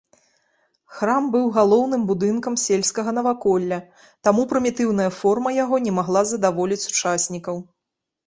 Храм быў галоўным будынкам сельскага наваколля, таму прымітыўная форма яго не магла задаволіць сучаснікаў.